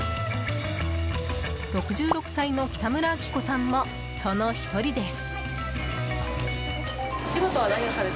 ６６歳の北村あき子さんもその１人です。